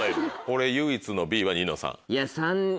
唯一のＢはニノさん。